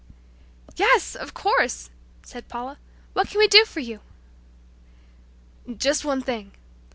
"Yes, of course," said Paula; "What can we do for you?" "Just one thing.